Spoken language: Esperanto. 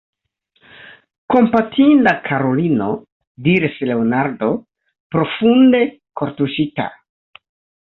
Kompatinda karulino, diris Leonardo, profunde kortuŝita.